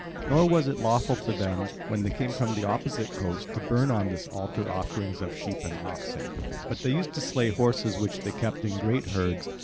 Nor was it lawful for them, when they came from the opposite coast, to burn on this altar offerings of sheep and oxen, but they used to slay horses which they kept in great herds.